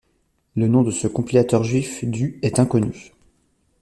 Le nom de ce compilateur juif du est inconnu.